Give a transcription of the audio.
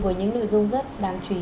với những nội dung rất đáng chú ý